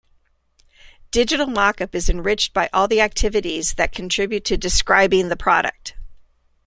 Digital Mockup is enriched by all the activities that contribute to describing the product.